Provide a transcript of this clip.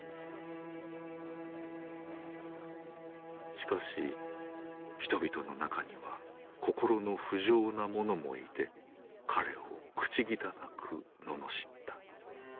しかし人々の中には心の不浄な者もいて彼を口汚く罵った。